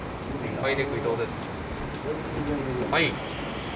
はい。